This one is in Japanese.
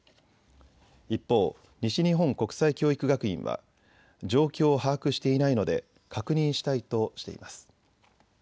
一方、西日本国際教育学院は状況を把握していないので確認したいとしています。